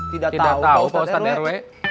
tidak tahu pak ustadz rw